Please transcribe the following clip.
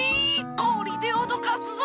こりでおどかすぞ！